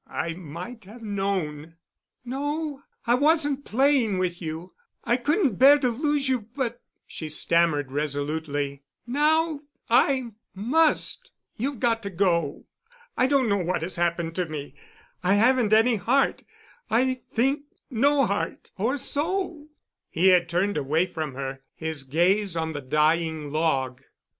I might have known——" "No, I wasn't playing with you. I—couldn't bear to lose you—but," she stammered resolutely, "now—I must—— You've got to go. I don't know what has happened to me—I haven't any heart—I think—no heart—or soul——" He had turned away from her, his gaze on the dying log.